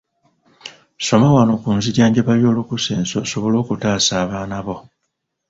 Soma wano ku nzijjanjaba y'olukusense osobole okutaasa abaana bo.